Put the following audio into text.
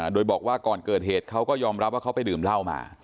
โดยบอกว่าก่อนเกิดเหตุเขาก็ยอมรับว่าเขาไปดื่มเหล้ามา